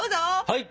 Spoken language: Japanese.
はい！